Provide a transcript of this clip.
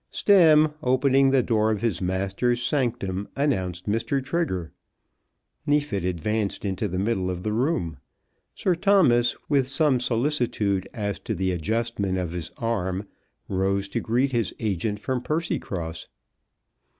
Stemm, opening the door of his master's sanctum, announced Mr. Trigger. Neefit advanced into the middle of the room. Sir Thomas, with some solicitude as to the adjustment of his arm, rose to greet his agent from Percy cross.